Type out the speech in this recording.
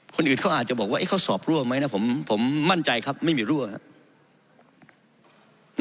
คนอื่นเขาอาจจะบอกว่าเขาสอบร่วงไหมนะผมมั่นใจครับไม่มีร่วงครับ